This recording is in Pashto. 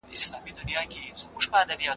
سازمانونه ولي په ټولنه کي عدالت غواړي؟